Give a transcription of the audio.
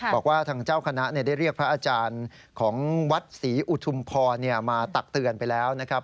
บอกว่าทางเจ้าคณะได้เรียกพระอาจารย์ของวัดศรีอุทุมพรมาตักเตือนไปแล้วนะครับ